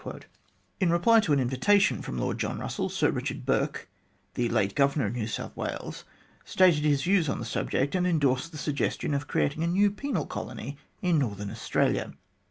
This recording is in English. In reply to an invitation from Lord John Russell, Sir Richard Bourke, the late Governor of New South Wales, stated his views on the subject, and endorsed the suggestion of creating a new penal colony in Northern Australia.